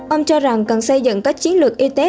ông cho rằng cần xây dựng các chiến lược y tế